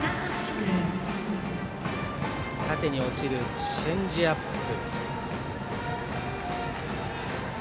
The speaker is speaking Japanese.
縦に落ちるチェンジアップ。